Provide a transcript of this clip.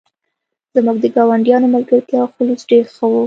زموږ د ګاونډیانو ملګرتیا او خلوص ډیر ښه و